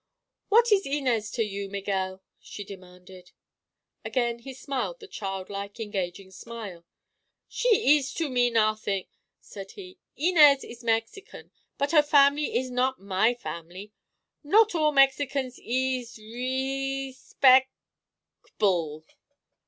"What is Inez to you, Miguel?" she demanded. Again he smiled the childlike, engaging smile. "She ees to me nothing," said he. "Inez is Mexican, but her family ees not my family. Not all Mexicans ees—re—spec'—ble.